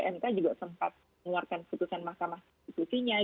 mk juga sempat mengeluarkan putusan mahkamah konstitusinya